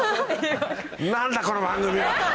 何だこの番組は！